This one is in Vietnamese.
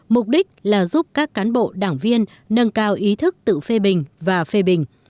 mục đích là giúp các cán bộ đảng viên nâng cao ý thức tự phê bình và phê bình